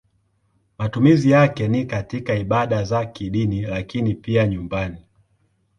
Matumizi yake ni katika ibada za kidini lakini pia nyumbani.